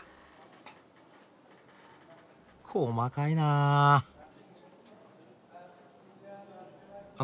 細かいなあ。